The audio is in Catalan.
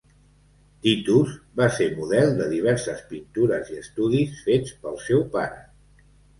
Titus va ser model de diverses pintures i estudis fets pel seu pare.